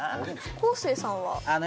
昴生さんは？